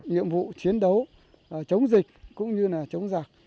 nhiệm vụ chiến đấu chống dịch cũng như là chống giặc